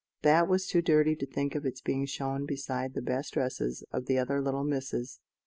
that was too dirty to think of its being shown beside the best dresses of the other little misses.